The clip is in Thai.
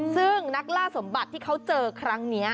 ซึ่งนักล่าสมบัติที่เขาเจอครั้งนี้